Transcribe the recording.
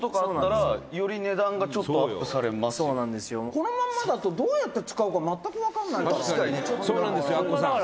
「このまんまだとどうやって使うか全くわからないから」